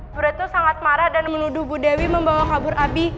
bu retno sangat marah dan menuduh bu dewi membawa kabur api